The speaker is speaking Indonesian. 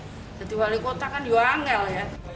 jadi wali kota kan diwangel ya